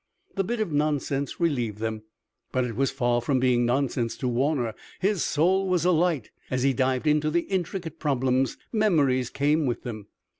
The bit of nonsense relieved them, but it was far from being nonsense to Warner. His soul was alight. As he dived into the intricate problems memories came with them.